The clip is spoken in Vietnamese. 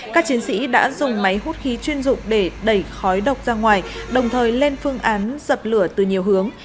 các chiến sĩ đã dùng máy hút khí chuyên dụng để đẩy khói độc ra ngoài đồng thời lên phương án dập lửa từ nhiều hướng